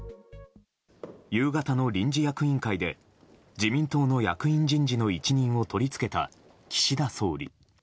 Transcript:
夕方の臨時役員会で自民党の役員人事の一任を取り付けた岸田総理。